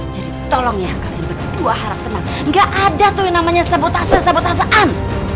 jadi tolong ya kalian berdua harap tenang gak ada tuh yang namanya sabotase sabotasean